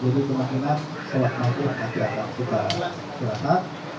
jadi kemungkinan selama satu jam nanti akan kita jelaskan